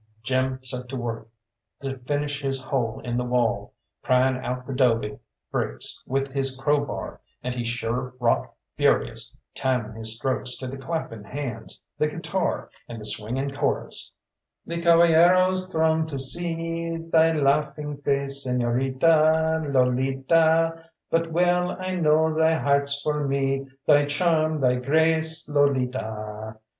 Jim set to work to finish his hole in the wall, prying out the 'dobe bricks with his crowbar, and he sure wrought furious, timing his strokes to the clapping hands, the guitar, and the swinging chorus "The caballeros throng to see Thy laughing face, Señorita, Lolita; But well I know thy heart's for me, Thy charm, thy grace, Lolita!